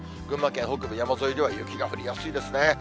群馬県北部、山沿いでは雪が降りやすいですね。